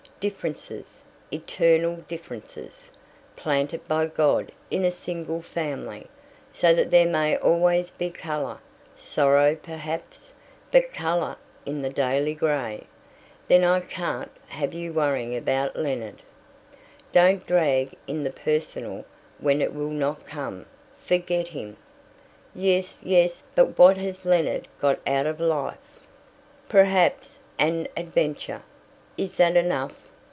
Differences eternal differences, planted by God in a single family, so that there may always be colour; sorrow perhaps, but colour in the daily grey. Then I can't have you worrying about Leonard. Don't drag in the personal when it will not come. Forget him." "Yes, yes, but what has Leonard got out of life?" "Perhaps an adventure." "Is that enough?"